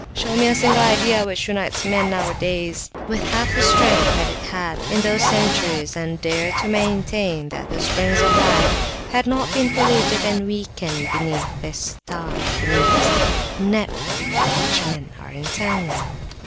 Show me a single idea which unites men nowadays with half the strength that it had in those centuries, and dare to maintain that the 'springs of life' have not been polluted and weakened beneath this 'star,' beneath this network in which men are entangled!